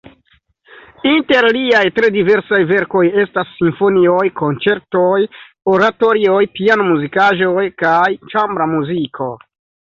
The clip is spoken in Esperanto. Inter liaj tre diversaj verkoj estas simfonioj, konĉertoj, oratorioj, piano-muzikaĵoj kaj ĉambra muziko.